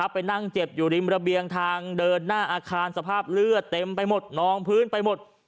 ไปนั่งเจ็บอยู่ริมระเบียงทางเดินหน้าอาคารสภาพเลือดเต็มไปหมดนองพื้นไปหมด